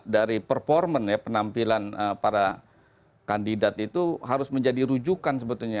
dari performance ya penampilan para kandidat itu harus menjadi rujukan sebetulnya